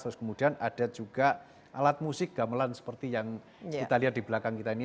terus kemudian ada juga alat musik gamelan seperti yang kita lihat di belakang kita ini